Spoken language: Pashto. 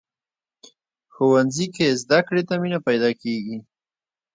ښوونځی کې زده کړې ته مینه پیدا کېږي